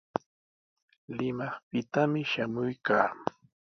Limaqpitami shamuykaa.